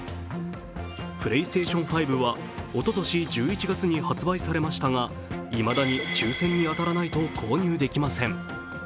ＰｌａｙＳｔａｔｉｏｎ５はおととし１１月に発売されましたがいまだに抽選に当たらないと購入できません。